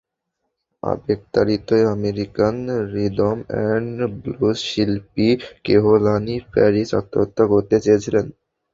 আবেগতাড়িত American rhythm and blues শিল্পী Kehlani Parrish আত্মহত্যা করতে চেয়েছিলেন।